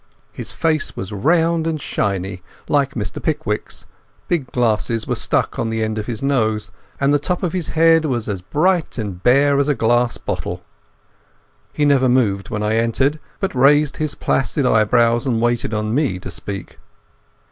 His face was round and shiny, like Mr Pickwick's, big glasses were stuck on the end of his nose, and the top of his head was as bright and bare as a glass bottle. He never moved when I entered, but raised his placid eyebrows and waited on me to speak.